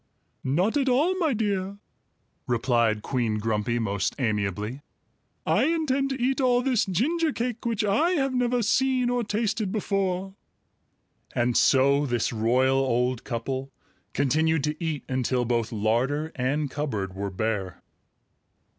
"Not at all, my dear!" replied Queen Grumpy most amiably. "I intend to eat all this ginger cake which I have never seen or tasted before." And so this royal old couple continued to eat until both larder and cupboard were bare.